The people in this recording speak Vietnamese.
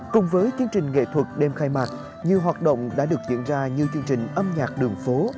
cùng với chương trình nghệ thuật đêm khai mạc nhiều hoạt động đã được diễn ra như chương trình âm nhạc đường phố